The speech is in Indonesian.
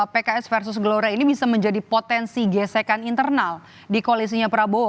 pks versus gelora ini bisa menjadi potensi gesekan internal di koalisinya prabowo